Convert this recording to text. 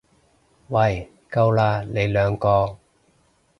喂夠喇，你兩個！